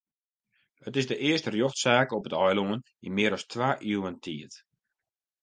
It is de earste rjochtsaak op it eilân yn mear as twa iuwen tiid.